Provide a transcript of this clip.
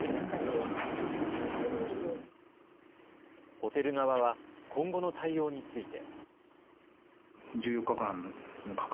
ホテル側は今後の対応について。